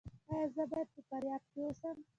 ایا زه باید په فاریاب کې اوسم؟